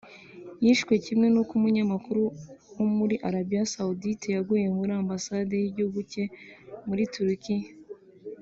yishwe kimwe n’uko umunyamakuru wo muri Arabie Saoudite yaguye muri Ambasade y’igihugu cye muri Turikiya